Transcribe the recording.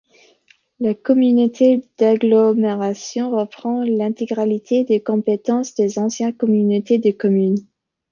La communauté d'agglomération reprend l'intégralité des compétences des anciennes communautés de communes.